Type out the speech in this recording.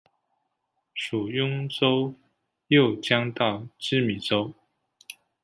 属邕州右江道羁縻州。